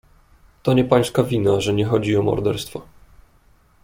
"To nie pańska wina, że nie chodzi o morderstwo."